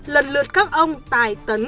lần lượt các ông tài tấn